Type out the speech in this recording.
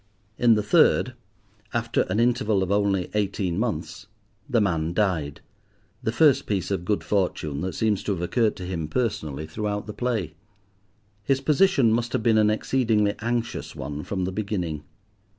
In the third, after an interval of only eighteen months, the man died—the first piece of good fortune that seems to have occurred to him personally throughout the play. His position must have been an exceedingly anxious one from the beginning.